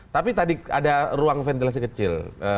tapi tadi ada ruang ventilasi kecil